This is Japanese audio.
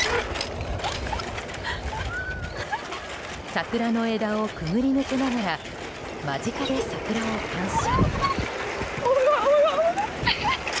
桜の枝をくぐり抜けながら間近で桜を鑑賞。